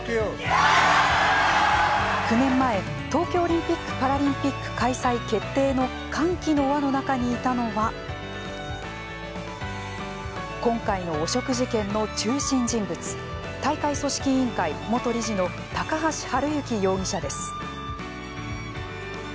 ９年前東京オリンピック・パラリンピック開催決定の歓喜の輪の中にいたのは今回の汚職事件の中心人物大会組織委員会・元理事の高橋治之容疑者です。